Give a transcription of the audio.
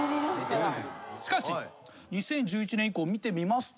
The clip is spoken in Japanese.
しかし２０１１年以降見てみますと。